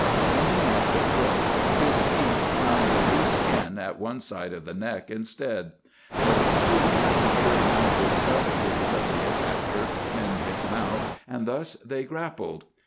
Aiming at the throat, his teeth found the loose skin at one side of the neck instead; the coon secured one of the stub ears of the attacker in his mouth, and thus they grappled.